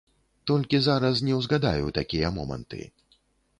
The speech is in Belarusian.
Толькі зараз не ўзгадаю такія моманты.